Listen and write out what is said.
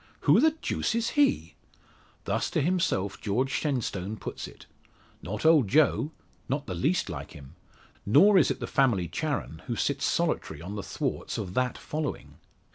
"Who the deuce is he?" Thus to himself George Shenstone puts it. Not old Joe, not the least like him. Nor is it the family Charon who sits solitary on the thwarts of that following.